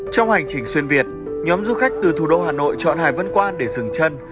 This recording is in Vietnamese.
trong hành trình xuyên việt nhóm du khách từ thủ đô hà nội chọn hải vân quan để dừng chân